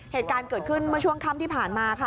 เหตุการณ์เกิดขึ้นเมื่อช่วงค่ำที่ผ่านมาค่ะ